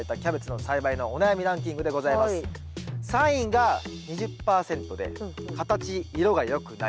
３位が２０％で「形色がよくない」と。